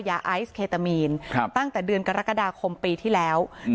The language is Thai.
ยาไอซ์เคตามีนครับตั้งแต่เดือนกรกฎาคมปีที่แล้วอืม